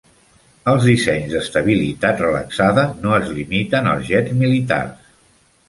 Els dissenys d'estabilitat relaxada no es limiten als jets militars.